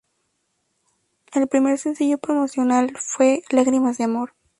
El primer sencillo promocional fue "Lágrimas de amor".